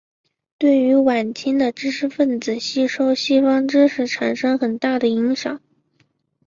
对于晚清的知识分子吸收西方知识产生很大的影响。